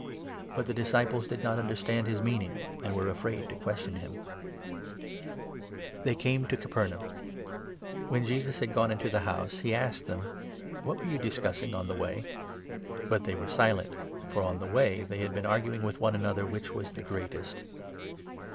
But the disciples did not understand his meaning and were 32 afraid to question him. Jesus They came to Capernaum. When Jesus 33 teaches at had gone into the house, he asked them : Capernaum. " What were you discussing on the way ?" on But they were silent ; for on the way they had 34 Humility. been arguing with one another which was the greatest.